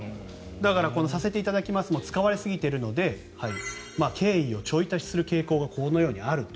「させていただきます」も使われすぎているので敬意をちょい足しする傾向がこのようにあると。